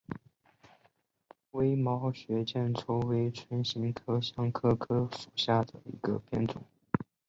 微毛血见愁为唇形科香科科属下的一个变种。